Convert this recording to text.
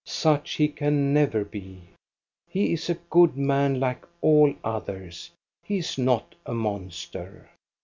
. Such he can never be. He is a good man like all others. He is not a monster.